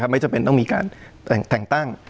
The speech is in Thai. ไม่จำเป็นต้องมีการแต่งตั้ง